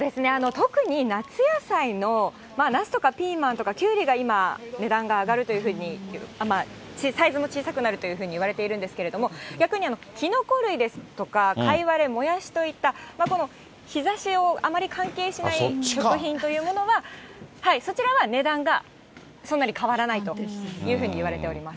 特に夏野菜のナスとかピーマンとかキュウリが今、値段が上がるというふうに、サイズも小さくなるというふうにいわれているんですけど、逆にきのこ類ですとか、カイワレ、モヤシといった日ざしをあまり関係しない食品というものが、そちらは値段がそんなに変わらないというふうにいわれています。